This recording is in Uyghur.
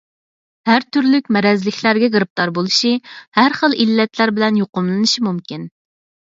ھەر تۈرلۈك مەرەزلىكلەرگە گىرىپتار بولۇشى، ھەرخىل ئىللەتلەر بىلەن يۇقۇملىنىشى مۇمكىن.